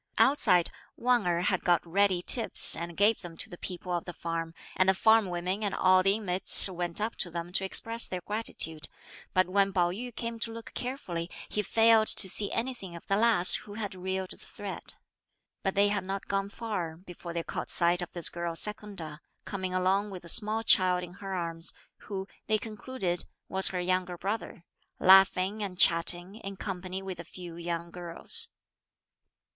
Outside, Wang Erh had got ready tips and gave them to the people of the farm, and the farm women and all the inmates went up to them to express their gratitude; but when Pao yü came to look carefully, he failed to see anything of the lass who had reeled the thread. But they had not gone far before they caught sight of this girl Secunda coming along with a small child in her arms, who, they concluded, was her young brother, laughing and chatting, in company with a few young girls.